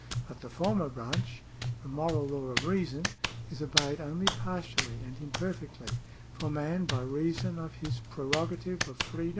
But the former branch — the moral law of reason — ^is obeyed only partially and im perfectly ; for man by reason of his prerogative of freedom 1 Proverbs, 8.